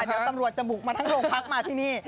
เดี๋ยวตำรวจจะบุกมาทั้งโรงพักมาที่นี่